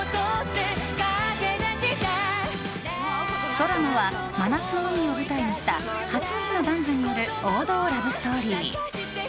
ドラマは真夏の海を舞台にした８人の男女による王道ラブストーリー。